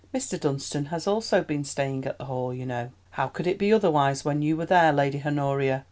Mr. Dunstan has also been staying at the Hall, you know." "How could it be otherwise when you were there, Lady Honoria?"